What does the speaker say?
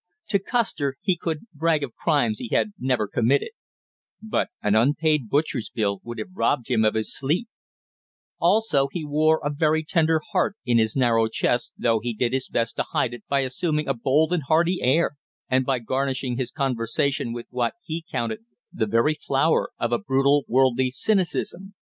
To Custer he could brag of crimes he had never committed, but an unpaid butcher's bill would have robbed him of his sleep; also he wore a very tender heart in his narrow chest, though he did his best to hide it by assuming a bold and hardy air and by garnishing his conversation with what he counted the very flower of a brutal worldly cynicism.